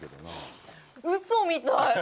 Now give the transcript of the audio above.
うそみたい。